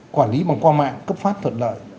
quản lý bằng qua mạng cấp phát thuận lợi